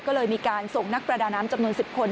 ก็เลยมีการส่งนักประดาน้ำจำนวน๑๐คน